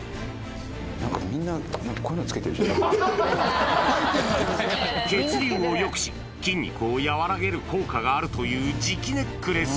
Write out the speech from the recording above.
なんかみんな、こういうのつ血流をよくし、筋肉を和らげる効果があるという磁気ネックレス。